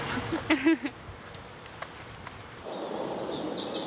フフフ。